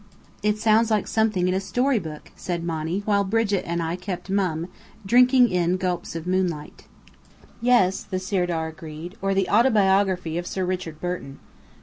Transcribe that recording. "It sounds like something in a story book," said Monny, while Brigit and I kept mum, drinking in gulps of moonlight. "Yes," the Sirdar agreed, "or the autobiography of Sir Richard Burton.